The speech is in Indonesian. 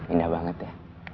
indah banget ya